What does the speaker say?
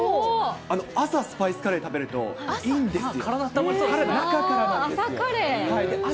朝スパイスカレー食べるといいんですよ。